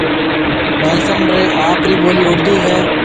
نيلسن رِي آپرِي ٻولِي اُردو ھيََََ